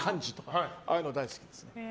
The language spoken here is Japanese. ああいうの大好きです。